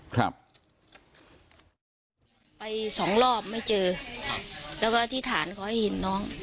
ครับไปสองรอบไม่เจอครับแล้วก็อธิษฐานขอให้เห็นน้อง